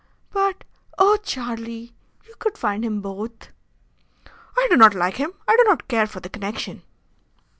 "But, oh! Charlie, you could find him both." "I do not like him. I do not care for the connection."